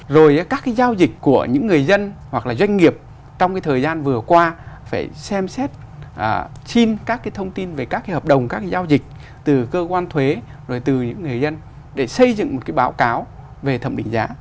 rồi các cái giao dịch của những người dân hoặc là doanh nghiệp trong cái thời gian vừa qua phải xem xét xin các cái thông tin về các cái hợp đồng các cái giao dịch từ cơ quan thuế rồi từ những người dân để xây dựng một cái báo cáo về thẩm định giá